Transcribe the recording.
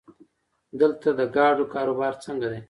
دلته د ګاډو کاروبار څنګه دی؟